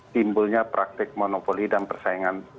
timbulnya praktik monopoli dan persaingan